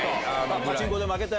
パチンコで負けて？